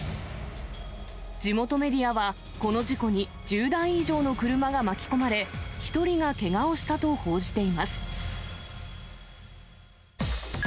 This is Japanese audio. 地元メディアは、この事故に１０台以上の車が巻き込まれ、１人がけがをしたと報じています。